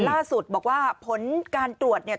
ล่าสุดบอกว่าผลการตรวจเนี่ย